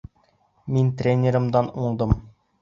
Мин тренерымдан уңдым.